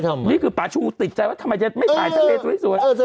นี่คือป่าชูติดใจว่าทำไมจะไม่ถ่ายทะเลสวย